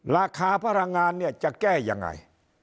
ราคาพลังงานเนี่ยจะแก้ยังไง